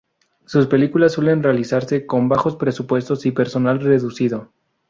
Sus películas suelen realizarse con bajos presupuestos y personal reducido.